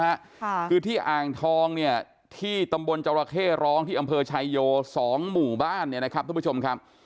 ค่ะคือที่อ่างทองเนี่ยที่ตำบลจราเข้ร้องที่อำเภอชายโยสองหมู่บ้านเนี่ยนะครับทุกผู้ชมครับ